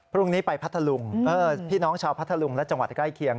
พรุ่งนี้ไปพัทธลุงพี่น้องชาวพัทธลุงและจังหวัดใกล้เคียง